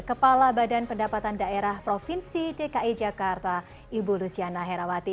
kepala badan pendapatan daerah provinsi dki jakarta ibu luciana herawati